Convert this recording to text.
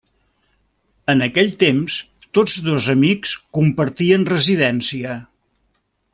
En aquell temps, tots dos amics compartien residència.